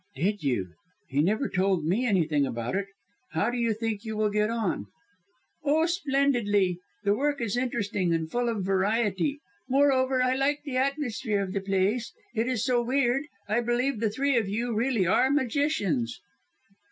"Did you! He never told me anything about it! How do you think you will get on?" "Oh, splendidly! The work is interesting and full of variety. Moreover, I like the atmosphere of the place, it is so weird. I believe the three of you really are magicians!"